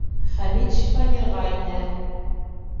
Хәмит шифоньерға инә.